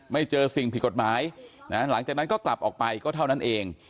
ไม่เจอสิ่งผิดกฎหมายนะหลังจากนั้นก็กลับออกไปก็เท่านั้นเอง